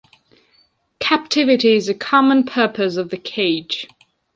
Captivity is a common purpose of the cage.